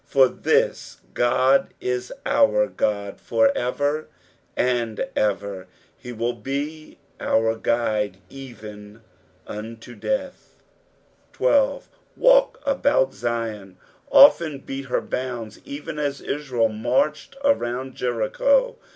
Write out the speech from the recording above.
14 For this God is our God for ever and ever : he will be our guide ev^n unto death. IS. " WaH abtmt Zion;" often beat her bounds, even as Israel inarched around Jericho.